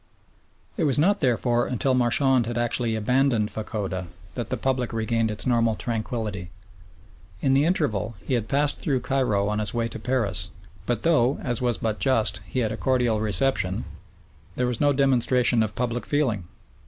It was not, therefore, until Marchand had actually abandoned Fachoda that the public regained its normal tranquillity. In the interval he had passed through Cairo on his way to Paris, but though, as was but just, he had a cordial reception, there was no demonstration of public feeling.